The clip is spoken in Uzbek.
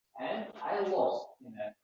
U shu nomli asarida